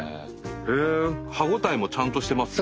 歯応えもちゃんとしてますね。